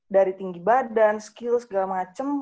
dari tinggi badan skill segala macam